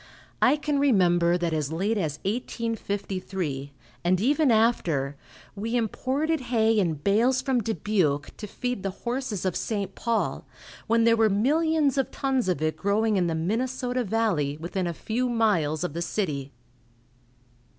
I can remember that as late as 1853, and even after, we imported hay in bales from Dubuque to feed the horses of St. Paul, when there were millions of tons of it growing in the Minnesota valley, within a few miles of the city.